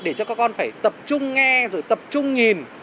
để cho các con phải tập trung nghe rồi tập trung nhìn